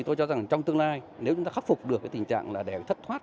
tôi cho rằng trong tương lai nếu chúng ta khắc phục được cái tình trạng là đèo thất thoát